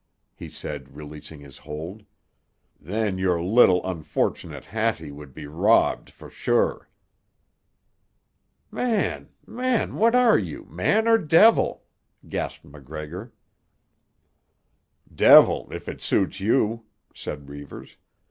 he said, releasing his hold. "Then your little, unfortunate Hattie would be robbed for sure." "Man—man—what are you, man or devil?" gasped MacGregor. "Devil, if it suits you," said Reivers.